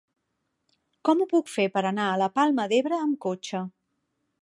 Com ho puc fer per anar a la Palma d'Ebre amb cotxe?